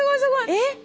えっ？